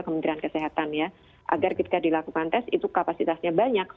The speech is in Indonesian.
kementerian kesehatan ya agar ketika dilakukan tes itu kapasitasnya berubah dan juga berubah dan